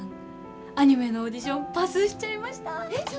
アニメのオーディションパスしちゃいました！